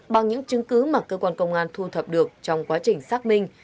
bằng những chứng cứ mà cơ quan công an thu thập được trong quá trình xác minh